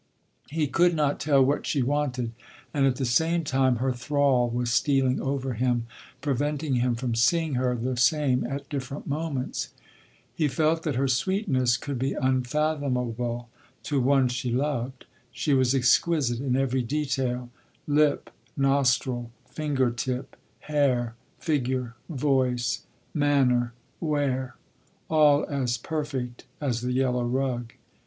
He could not tell what she wanted; and at the same time her thrall was stealing over him, preventing him from seeing her the same at different moments. He felt that her sweetness could be unfathomable to one she loved. She was exquisite in every detail—lip, nostril, finger tip, hair, figure, voice, manner, wear—all as perfect as the yellow rug.